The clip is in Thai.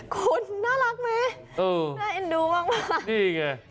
คุณน่ารักไหมน่าเอ็นดูมากนี่ไง